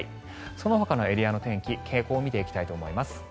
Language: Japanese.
そのほかのエリアの天気傾向を見ていきたいと思います。